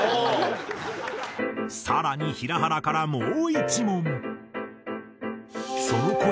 更に平原からもう１問。